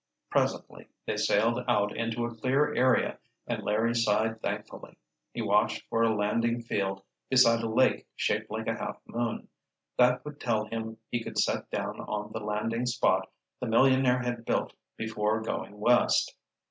Presently they sailed out into a clear area and Larry sighed thankfully. He watched for a landing field beside a lake shaped like a half moon. That would tell him he could set down on the landing spot the millionaire had built before going West.